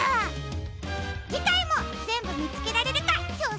じかいもぜんぶみつけられるかちょうせんしてみてね！